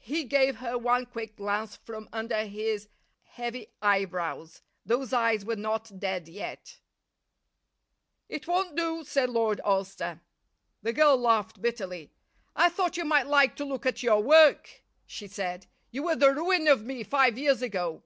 He gave her one quick glance from under his heavy eyebrows. Those eyes were not dead yet. "It won't do," said Lord Alcester. The girl laughed bitterly. "I thought you might like to look at your work," she said. "You were the ruin of me five years ago."